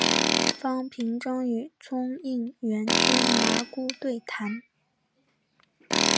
方平曾与冲应元君麻姑对谈。